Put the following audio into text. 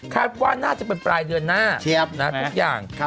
คาดว่าน่าจะเป็นปลายเดือนหน้าทุกอย่าง